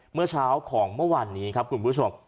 เมื่อเช้าของเมื่อวานนี้ครับคุณผู้ชม